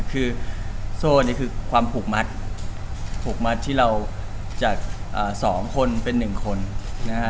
คือโซ่นี่คือความผูกมัดผูกมัดที่เราจาก๒คนเป็น๑คนนะฮะ